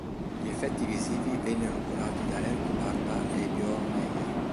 Gli effetti visivi vennero curati da Eric Barba e Bjørn Mayer.